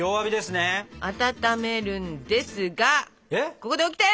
ここでオキテ！